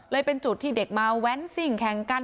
เป็นจุดที่เด็กมาแว้นซิ่งแข่งกัน